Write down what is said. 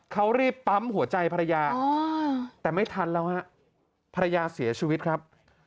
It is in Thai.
เขารีบปั๊มหัวใจภรรยาแต่ไม่ทันแล้วฮะภรรยาเสียชีวิตครับ